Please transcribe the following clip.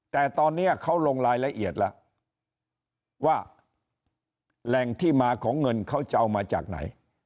แต่ตอนนี้เขาลงรายละเอียดแล้วว่าแหล่งที่มาของเงินเขาจะเอามาจากไหน